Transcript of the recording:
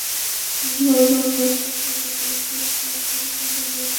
মঙ্গলবার ভোর চারটার দিকে একটি ট্রাক তাঁকে চাপা দিয়ে চলে যায়।